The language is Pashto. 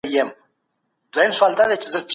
ژوند تر مرګ ډیر ځورونکی دی.